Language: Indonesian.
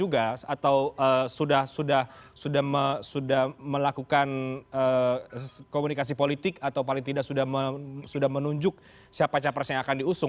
atau sudah melakukan komunikasi politik atau paling tidak sudah menunjuk siapa capres yang akan diusung